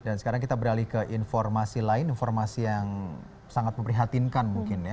dan sekarang kita beralih ke informasi lain informasi yang sangat memperhatinkan mungkin ya